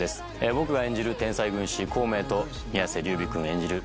僕が演じる天才軍師孔明と宮世琉弥君演じる